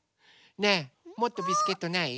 ねえもっとビスケットない？